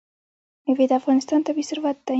مېوې د افغانستان طبعي ثروت دی.